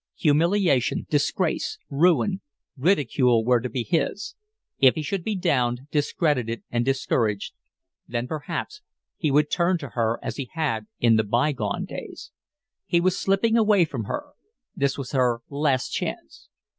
Humiliation, disgrace, ruin, ridicule were to be his. If he should be downed, discredited, and discouraged, then, perhaps, he would turn to her as he had in the by gone days. He was slipping away from her this was her last chance.